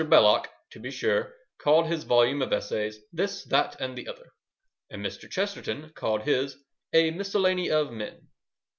Belloc, to be sure, called his volume of essays This, That, and the Other, and Mr. Chesterton called his A Miscellany of Men.